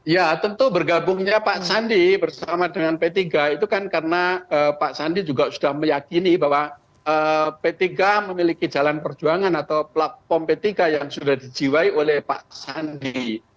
ya tentu bergabungnya pak sandi bersama dengan p tiga itu kan karena pak sandi juga sudah meyakini bahwa p tiga memiliki jalan perjuangan atau platform p tiga yang sudah dijiwai oleh pak sandi